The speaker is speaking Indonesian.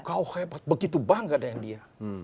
kau hebat begitu bangga dengan dia